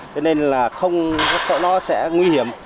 thế nên là không nó sẽ nguy hiểm